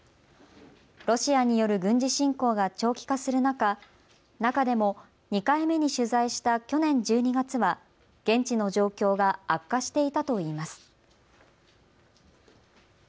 ロシアによる軍事侵攻が長期化する中、中でも２回目に取材した去年１２月は現地の状況が悪化していたといいます。